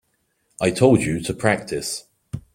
I told you to practice.